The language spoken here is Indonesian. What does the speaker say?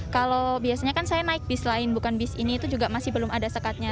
kalau biasanya kan saya naik bis lain bukan bis ini itu juga masih belum ada sekatnya